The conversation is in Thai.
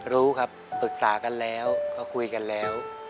รู้ครับปรึกษากันแล้วก็คุยกันแล้ว